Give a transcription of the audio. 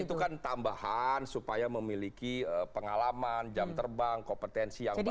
itu kan tambahan supaya memiliki pengalaman jam terbang kompetensi yang baik